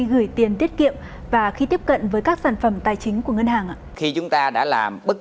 gửi tiền tiết kiệm và khi tiếp cận với các sản phẩm tài chính của ngân hàng thì chúng ta đã làm bức